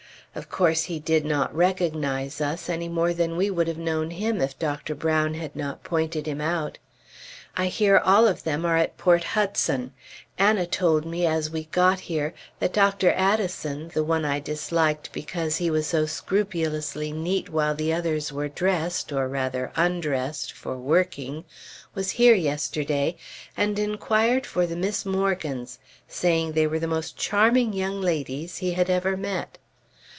Of course he did not recognize us, any more than we would have known him if Dr. Brown had not pointed him out. I hear all of them are at Port Hudson. Anna told me, as we got here, that Dr. Addison (the one I disliked because he was so scrupulously neat while the others were dressed, or rather undressed, for working) was here yesterday, and inquired for the Miss Morgans, saying they were the most charming young ladies he had ever met.